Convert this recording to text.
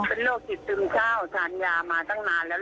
เป็นโรคจิตซึมเศร้าทานยามาตั้งนานแล้ว